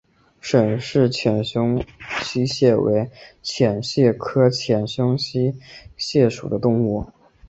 沈氏浅胸溪蟹为溪蟹科浅胸溪蟹属的动物。